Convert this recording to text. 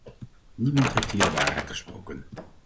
Niemand heeft hier de waarheid gesproken.